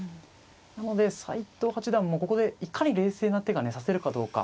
なので斎藤八段もここでいかに冷静な手がね指せるかどうか。